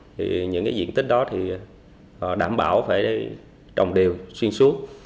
thì những cái diện tích đó thì đảm bảo phải trồng điều xuyên suốt